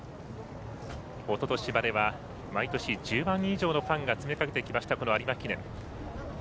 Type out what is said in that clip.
おととしまでは毎年１０万人以上のファンが詰めかけていました